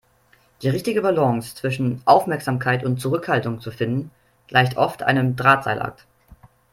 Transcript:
Die richtige Balance zwischen Aufmerksamkeit und Zurückhaltung zu finden, gleicht oft einem Drahtseilakt.